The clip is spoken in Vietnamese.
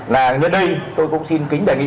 là như đây tôi cũng xin kính đề nghị